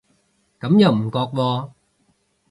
咁又唔覺喎